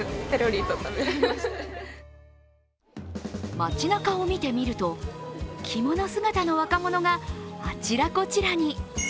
街なかを見てみると着物姿の若者があちらこちらに。